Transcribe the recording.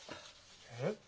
えっ？